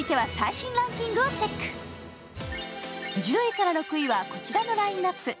１０位から６位はこちらのラインナップ。